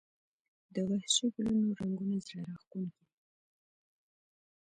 د وحشي ګلونو رنګونه زړه راښکونکي دي